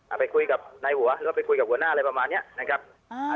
ไปคุยกับนายหัวแล้วก็ไปคุยกับหัวหน้าอะไรประมาณเนี้ยนะครับอ่า